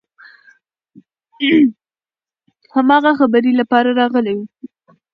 هماغه خبرې لپاره راغلي وو.